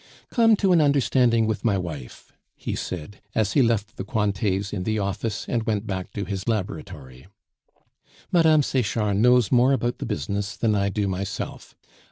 "Come to an understanding with my wife," he said, as he left the Cointets in the office and went back to his laboratory. "Mme. Sechard knows more about the business than I do myself.